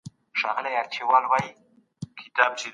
د معیوبینو لاسنیوی څنګه کېږي؟